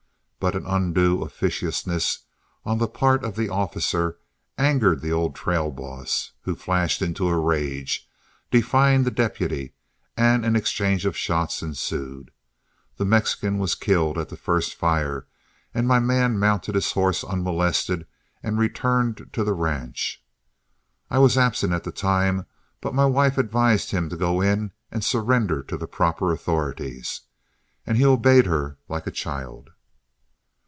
But an undue officiousness on the part of the officer angered the old trail boss, who flashed into a rage, defying the deputy, and an exchange of shots ensued. The Mexican was killed at the first fire, and my man mounted his horse unmolested, and returned to the ranch. I was absent at the time, but my wife advised him to go in and surrender to the proper authorities, and he obeyed her like a child.